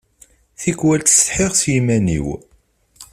Tikwal ttsetḥiɣ s yiman-iw.